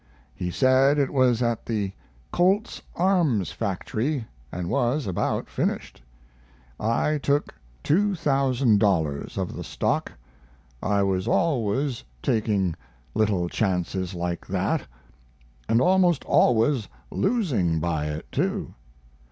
He said it was at the Colt's Arms factory, and was about finished. I took $2,000 of the stock. I was always taking little chances like that, and almost always losing by it, too.